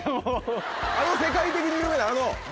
あの世界的に有名なあの？